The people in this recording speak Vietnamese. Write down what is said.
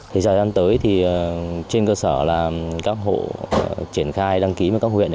giờ đang tới thì trên cơ sở là các hộ triển khai đăng ký với các huyện